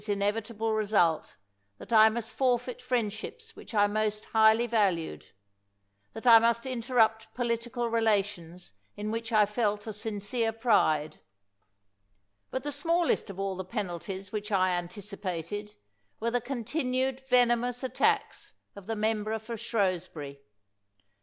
180 PEEL inevitable result, that I must forfeit friendships which I most highly valued — that I must inter rupt political relations in which I felt a sincere pride ; but the smallest of all the penalties which I anticipated were the continued venomous at tacks of the member for Shrewsbury.